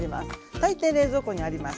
大抵冷蔵庫にあります。